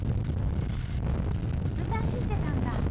また走ってたんだ。